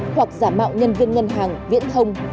hoặc giả mạo nhân viên ngân hàng viễn thông